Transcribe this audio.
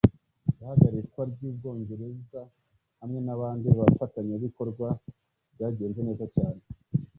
ihagarikwa ry'ubwongereza hamwe n'abandi bafatanyabikorwa ryagenze neza cyane